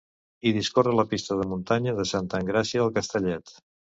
Hi discorre la pista de muntanya de Santa Engràcia al Castellet.